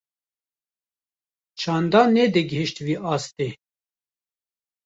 çanda nedigîhîşt vê astê.